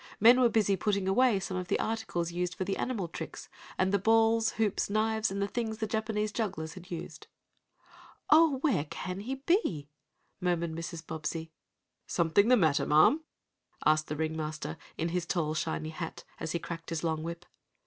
Men were busy putting away some of the articles used for the animal tricks, and the balls, hoops knives and things the Japanese jugglers had used. "Oh, where can he be?" murmured Mrs. Bobbsey. "Something the matter, ma'am?" asked the ring master, in his shiny tall hat, as he cracked his long whip.